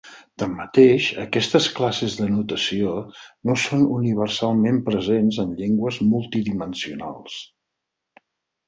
Tanmateix, aquestes classes de notació no són universalment presents en llengües multidimensionals.